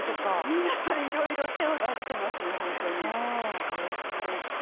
皆さんいろいろ手を出していますね。